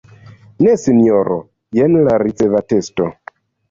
Ne Sinjoro, jen la ricevatesto.